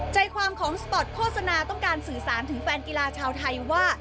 ใจความของสปอร์ตโฆษณาต้องการสื่อสารถึงแฟนกีฬาชาวไทยว่า